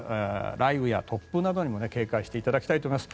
雷雨や突風などにも警戒していただきたいと思います。